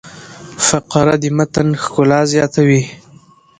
فقره د متن ښکلا زیاتوي.